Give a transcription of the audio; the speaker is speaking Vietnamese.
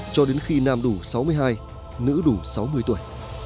cho đến khi nam đủ sáu mươi hai nữ đủ sáu mươi tuổi